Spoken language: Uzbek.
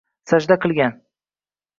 Sajda qilgan